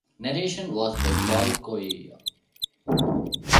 Narration was by Paul Coia.